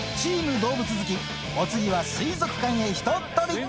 チーム動物好き、お次は水族館へひとっ飛び。